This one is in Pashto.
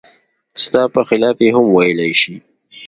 ستا په خلاف یې هم ویلای شي.